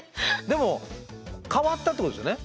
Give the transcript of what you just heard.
でも変わったっていうことですよね。